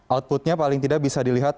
outputnya paling tidak bisa dilihat